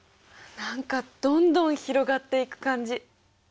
何かどんどん広がっていく感じ。